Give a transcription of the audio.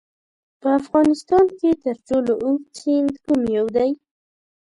په افغانستان کې تر ټولو اوږد سیند کوم یو دی؟